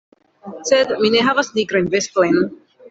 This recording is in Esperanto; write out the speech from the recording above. Sed mi ne havas nigrajn vestojn.